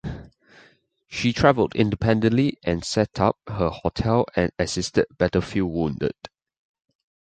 She travelled independently and set up her hotel and assisted battlefield wounded.